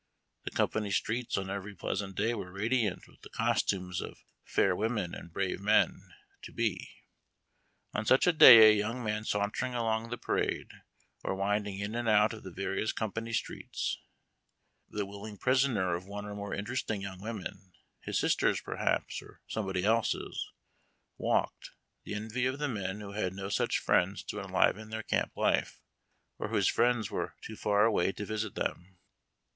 The company streets on every pleasant day were radiant with the costumes of "fair women, and brave men "— to he. On such a day a young man sauntering along the parade, or winding in and out of the various company streets, the willing prisoner of one or more interesting j^oung women — his sisters, perhaps, or somebody else's — walked, the envy of the men who had no such friends to enliven their camp life, or whose friends were too far away to visit them.